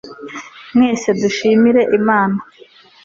mwese dushimire imana [gushimira